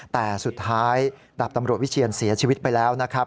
แต่สุดท้ายดาบตำรวจวิเชียนเสียชีวิตไปแล้วนะครับ